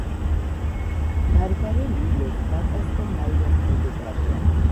ბარბარე ლილეს, მაკას და ნაირას მეგობარია